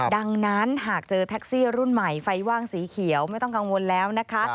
ดังนั้นหากเจอแท็กซี่รุ่นใหม่ไฟว่างสีเขียวไม่ต้องกังวลแล้วนะคะ